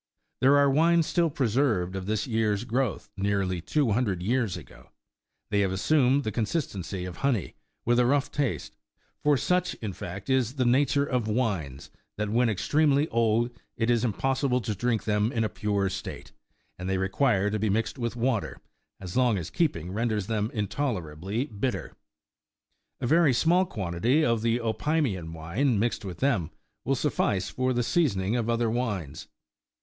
There are wines still preserved of this year's growth, nearly two hundred years ago; they have assumed the consistency of honey, with a rough taste ; for such, in fact, is the nature of wines, that, when extremely old, it is impossible to drink them in a pure state ; and they require to be mixed with water, as long keeping renders them intolerably bitter.45 A very small quantity of the Opimian wine, mixed with them, will suffice for the seasoning of other wines.